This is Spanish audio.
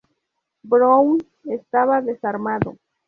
Brown estaba desarmado.